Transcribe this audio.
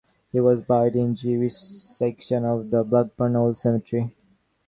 He was buried in the Jewish section of the Blackburn Old Cemetery.